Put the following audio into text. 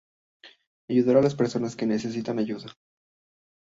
Ayudar a las personas que necesitan ayuda.